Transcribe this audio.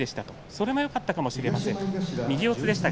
それもよかったかもしれませんでした。